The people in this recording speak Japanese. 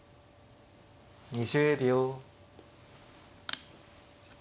２０秒。